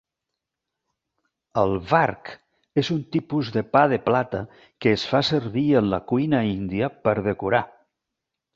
El "vark" és un tipus de pa de plata que es fa servir en la cuina índia per decorar.